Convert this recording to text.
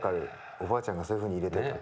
おばあちゃんがそういうふうにいれてた。